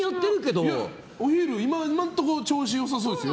今のところ調子よさそうですよ。